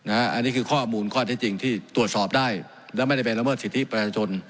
อันนี้คือข้อมูลข้อเท็จจริงที่ตรวจสอบได้และไม่ได้ไปละเมิดสิทธิประชาชน